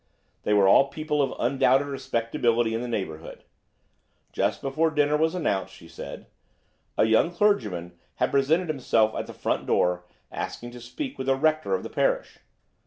They were all people of undoubted respectability in the neighbourhood. Just before dinner was announced, she said, a young clergyman had presented himself at the front door, asking to speak with the Rector of the parish.